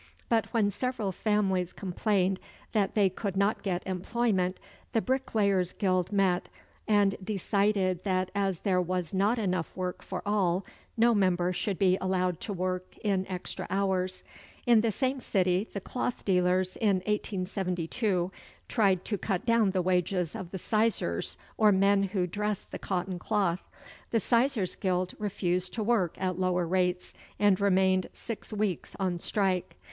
But when several families complained that they could not get employment, the bricklayers' guild met, and decided that as there was not enough work for all, no member should be allowed to work in extra hours. In the same city, the cloth dealers in 1872 tried to cut down the wages of the sizers or men who dress the cotton cloth. The sizers' guild refused to work at lower rates, and remained six weeks on strike.